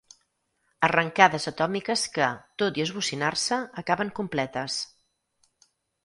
Arrencades atòmiques que, tot i esbocinar-se, acaben completes.